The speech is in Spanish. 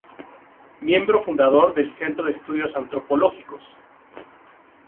Miembro Fundador del Centro de Estudios Antropológicos.